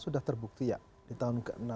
sudah terbukti ya di tahun ke enam